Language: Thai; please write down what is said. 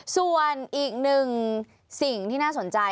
ส่วนอีกหนึ่งสิ่งที่น่าสนใจ